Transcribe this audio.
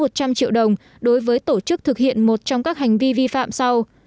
một trăm linh triệu đồng đối với tổ chức thực hiện một trong các hành vi vi phạm sau